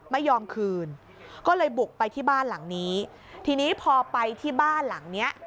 ไม่ยอมคืนก็เลยบุกไปที่บ้านหลังนี้ทีนี้พอไปที่บ้านหลังเนี้ย